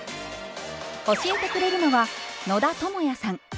教えてくれるのは野田智也さん。